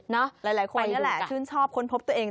หลายคนนี่แหละชื่นชอบค้นพบตัวเอง